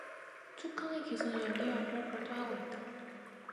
축항의 기선은 연기만 풀풀 토하고 있다.